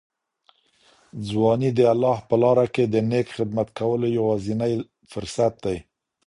ځواني د الله په لاره کي د نېک خدمت کولو یوازینی فرصت دی.